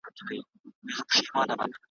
هر یو مکر یې جلاوو آزمېیلی `